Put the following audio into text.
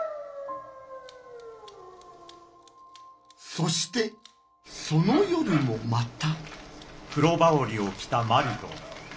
そしてその夜もまた。